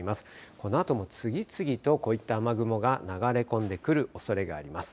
このあとも次々とこういった雨雲が流れ込んでくるおそれがあります。